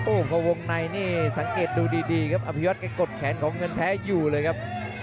โอ้โหพอวงในนี่สังเกตดูดีครับอภิวัตแกกดแขนของเงินแท้อยู่เลยครับ